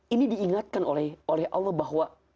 ini diingatkan oleh allah bahwa